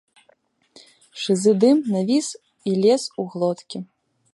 Шызы дым навіс і лез у глоткі.